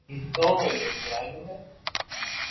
نيتوڙ او ايلائي ديالو ھي